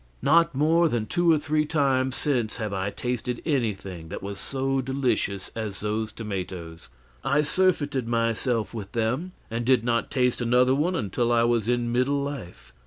Not more than two or three times since have I tasted anything that was so delicious as those tomatoes. I surfeited myself with them, and did not taste another one until I was in middle life.